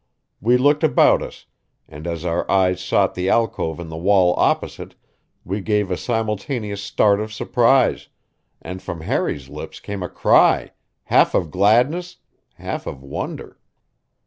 We looked about us, and as our eyes sought the alcove in the wall opposite, we gave a simultaneous start of surprise, and from Harry's lips came a cry, half of gladness, half of wonder.